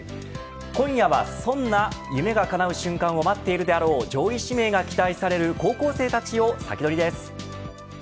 今夜はそんな夢がかなう瞬間を待っているであろう上位指名が期待される高校生たちをサキドリです。